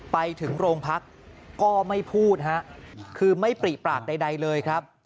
ไปถึงโรงพักก็ไม่พูดฮะคือไม่ปริปากใดเลยครับ